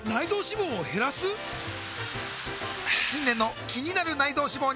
新年の気になる内臓脂肪に！